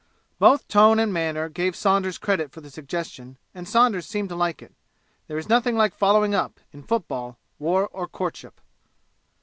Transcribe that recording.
Both tone and manner gave Saunders credit for the suggestion, and Saunders seemed to like it. There is nothing like following up, in football, war or courtship.